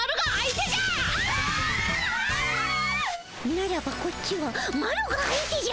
ならばこっちはマロが相手じゃ。